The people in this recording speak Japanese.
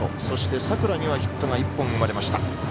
そして佐倉にはヒットが１本生まれました。